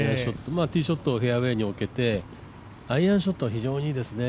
ティーショットをフェアウエーに置けて、アイアンショットが非常にいいですね。